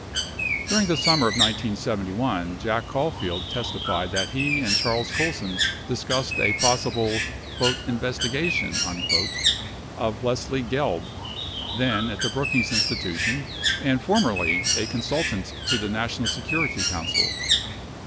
During the summer of 1971, Jack Caulfield testified that he and Charles Colson discussed a possible "investigation" of Leslie Gelb, then at the Brookings Institution and formerly a consultant to the National Security Council.